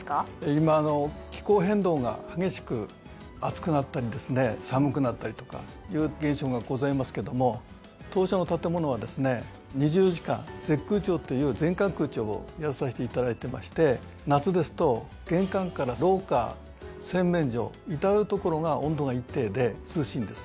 今気候変動が激しく暑くなったりですね寒くなったりとかいう現象がございますけども当社の建物はですね２４時間「Ｚ空調」という全館空調をやらさせていただいてまして夏ですと玄関から廊下洗面所至る所が温度が一定で涼しいんです。